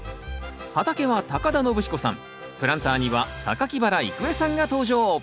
畑は田延彦さんプランターには原郁恵さんが登場。